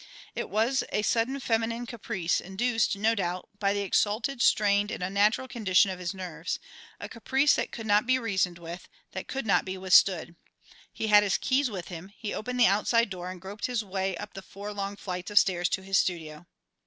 It was a sudden feminine caprice, induced, no doubt, by the exalted, strained, and unnatural condition of his nerves, a caprice that could not be reasoned with, that could not be withstood. He had his keys with him, he opened the outside door and groped his way up the four long flights of stairs to his studio.